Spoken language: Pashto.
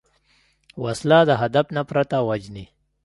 وسله د هدف نه پرته وژني